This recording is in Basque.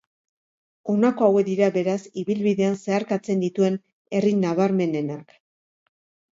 Honako hauek dira beraz ibilbidean zeharkatzen dituen herri nabarmenenak.